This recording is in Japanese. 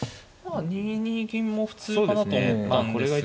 ２二銀も普通かなと思ったんですが。